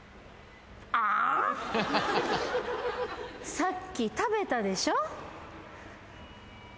さっき食べたでしょ？